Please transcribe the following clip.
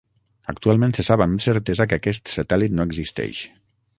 Actualment se sap amb certesa que aquest satèl·lit no existeix.